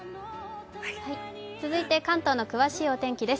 続いて、関東の詳しい天気です。